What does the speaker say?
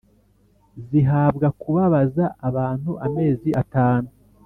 zihabwa kubabaza abantu amezi atanu.